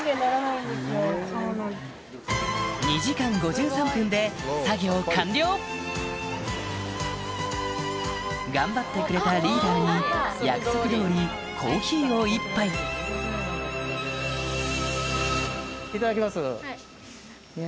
２時間５３分で作業完了頑張ってくれたリーダーに約束通りコーヒーを１杯いや。